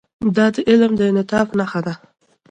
دا د علم د انعطاف نښه ده.